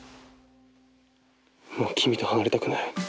もうキミと離れたくない。